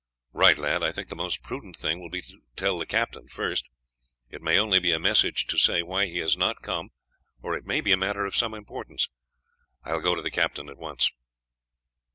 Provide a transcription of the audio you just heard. "Right, lad. I think the most prudent thing will be to tell the captain first. It may only be a message to say why he has not come, or it may be a matter of some importance. I will go to him at once."